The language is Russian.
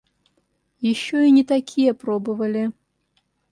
Еще и не такие пробовали.